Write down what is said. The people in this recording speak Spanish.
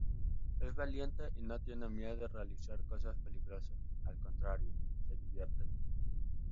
Es valiente y no tiene miedo de realizar cosas peligrosas, al contrario, se divierte.